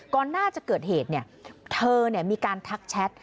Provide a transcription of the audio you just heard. ก่อนหน้าจะเกิดเหตุเนี่ยเธอเนี่ยมีการทักแชท